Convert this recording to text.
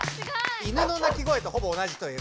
犬の鳴き声とほぼ同じという。